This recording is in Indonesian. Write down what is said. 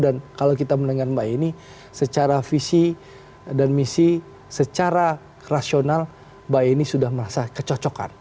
dan kalau kita mendengar mbak yeni secara visi dan misi secara rasional mbak yeni sudah merasa kecocokan